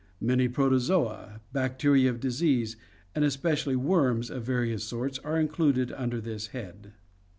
Many Protozoa, bacteria of disease, and especially worms of various sorts are included under this head.